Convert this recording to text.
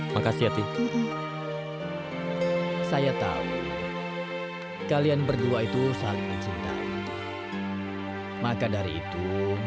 maka dari itu